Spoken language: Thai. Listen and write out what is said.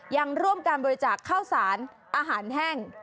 ยังร่วมการบริจาคข้าวสารอาหารแห้ง